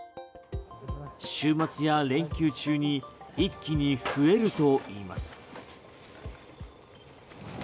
週末や連休中に一気に増えるといいます。